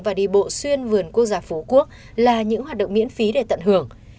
và đi bộ xuyên vườn quốc gia phú quốc là những hoạt động miễn phí để tận hưởng